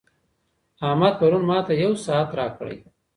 احمد پرون ماته یو ساعت راکړی.